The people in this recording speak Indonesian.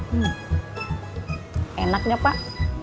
hmm enaknya pak